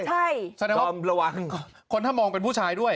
ใช่ใช่ครับตอบระวังคนถ้ำมองเป็นผู้ชายด้วย